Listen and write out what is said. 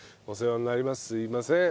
お世話になります。